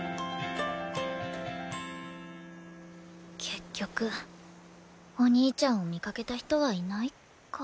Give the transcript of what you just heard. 結局お兄ちゃんを見かけた人はいないか。